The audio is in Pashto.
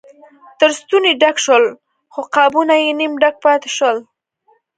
تر ستوني ډک شول خو قابونه یې نیم ډک پاتې شول.